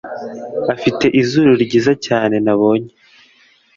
afite izuru ryiza cyane nabonye.